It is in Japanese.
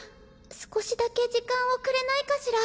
少しだけ時間をくれないかしら？